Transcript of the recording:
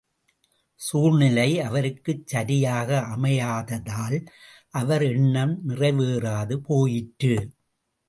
சூழ்நிலை அவருக்கு சரியாக அமையாததால், அவர் எண்ணம் நிறைவேறாது போயிற்று.